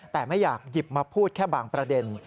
แต่ไม่อยากหยิบมาพูดแค่บางประเด็น